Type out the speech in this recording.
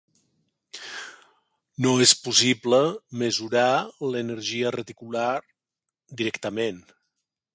No és possible mesurar l'energia reticular directament.